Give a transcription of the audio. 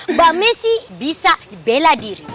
mbak messi bisa bela diri